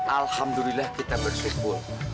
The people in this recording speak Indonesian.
alhamdulillah kita bersimpul